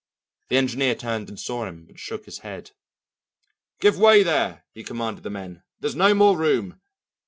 The engineer turned and saw him, but shook his head. "Give way there!" he commanded the men; "there's no more room."